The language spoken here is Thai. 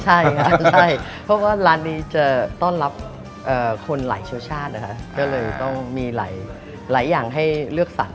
ใช่ครับเพราะว่าร้านนี้จะต้อนรับคนหลายชีวิตชาตินะครับ